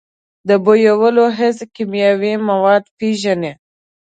د بویولو حس کیمیاوي مواد پېژني.